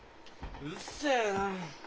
うっせえな。